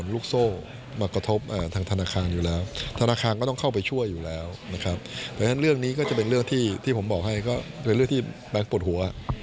เรื่องนี้ก็เป็นเรื่องที่ผมบอกให้เมนพิกัดปลอดหัว